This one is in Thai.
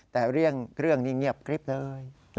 แต่เรียกเครื่องนี่เงียบกริบเลย